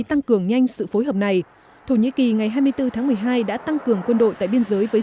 tăng cường nhanh sự phối hợp này thổ nhĩ kỳ ngày hai mươi bốn tháng một mươi hai đã tăng cường quân đội tại biên giới với